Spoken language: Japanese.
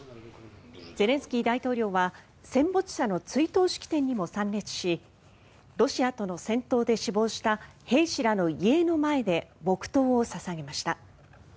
ゼレンスキー大統領は戦没者の追悼式典にも参列しロシアとの戦闘で死亡した兵士らの遺影の前で黙祷を捧げました。